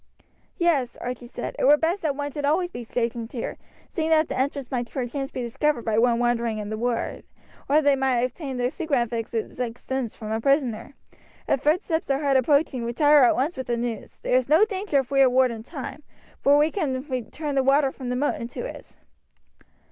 "Yes," Archie answered. "It were best that one should be always stationed here, seeing that the entrance might perchance be discovered by one wandering in the wood, or they might obtain the secret of its existence from a prisoner. If footsteps are heard approaching retire at once with the news. There is no danger if we are warned in time, for we can turn the water from the moat into it."